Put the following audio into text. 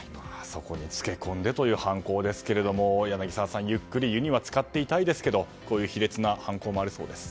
そこにつけ込んでという犯行ですが柳澤さん、ゆっくり湯にはつかっていたいですけれどこういう卑劣な犯行もあるそうです。